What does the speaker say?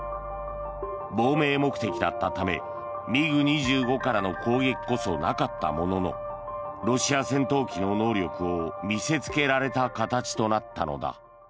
亡命目的だったためミグ２５からの攻撃こそなかったもののロシア戦闘機の能力を見せつけられた形となったのだ。